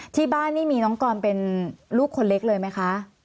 ที่บ้านนี่มีน้องกรเป็นลูกคนเล็กเลยไหมคะ